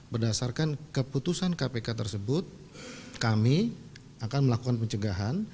berdasarkan keputusan kpk tersebut kami akan melakukan pencegahan